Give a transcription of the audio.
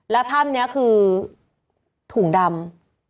และภาพนี้คือถุงดำ